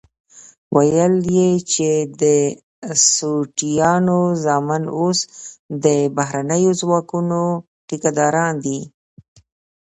ويل يې چې د سوټيانو زامن اوس د بهرنيو ځواکونو ټيکه داران دي.